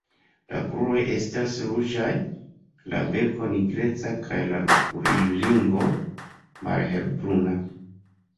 La kruroj estas ruĝaj, la beko nigreca kaj la okulringo malhelbruna.